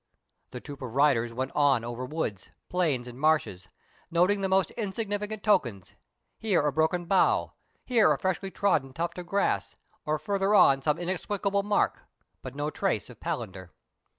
The troop of riders went on over woods, plains, and marshes, noting the most insignificant tokens : here a broken bough ; there a freshly trodden tuft of grass ; or farther on some inexplicable mark ; but no trace of Palander.